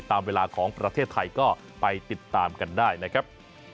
ตามเวลาของประเทศไทยก็ไปติดตามกันได้นะครับ